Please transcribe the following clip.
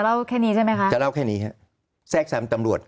เล่าแค่นี้ใช่ไหมคะจะเล่าแค่นี้เสร็จแทรกจำตำรวจ